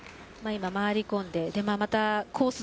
今回り込んでまたコース